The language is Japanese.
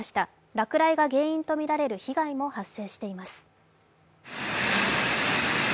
落雷が原因とみられる被害も発生しています。